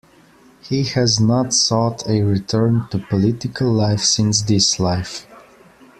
He has not sought a return to political life since this life.